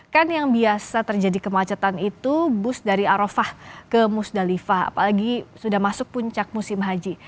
kan yang biasa terjadi kemacetan itu bus dari arofah ke musdalifah apalagi sudah masuk puncak musim haji